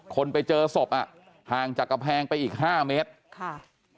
คนไปเจอศพอ่ะห่างจากกำแพงไปอีกห้าเมตรค่ะ